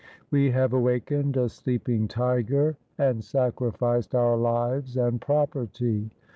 We have awakened a sleeping tiger and sacrificed our lives and property.